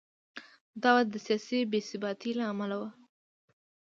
دا وده د سیاسي بې ثباتۍ له امله و.